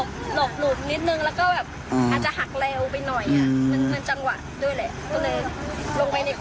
ตรงนั้นลงไปในคู